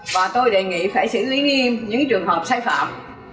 và tôi đề nghị phải xử lý nghiêm những trường hợp sai phạm